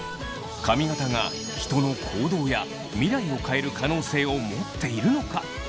髪形が人の行動や未来を変える可能性を持っているのか？